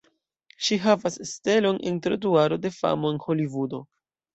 Ŝi havas stelon en Trotuaro de famo en Holivudo.